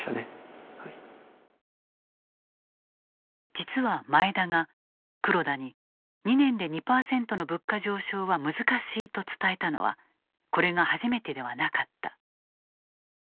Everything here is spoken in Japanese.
実は前田が、黒田に２年で２％の物価上昇は難しいと伝えたのはこれが初めてではなかった。